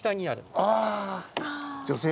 ああ。